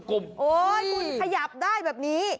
โอ๊ยคุณขยับได้แบบนี้